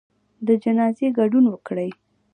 د جنازې ګډون وکړئ